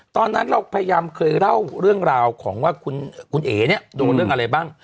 ตอนนั้นเราพยายามเคยเล่าเรื่องราวของว่าคุณเอ๋เนี่ยโดนเรื่องอะไรบ้าง